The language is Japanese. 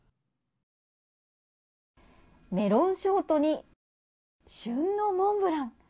メロンショートに旬のモンブラン。